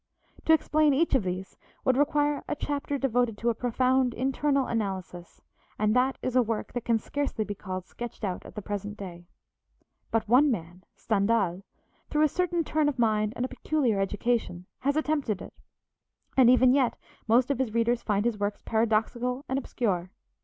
To explain each of these would require a chapter devoted to a profound internal analysis, and that is a work that can scarcely be called sketched out at the present day. But one man, Stendhal, through a certain turn of mind and a peculiar education, has attempted it, and even yet most of his readers find his works paradoxical and obscure.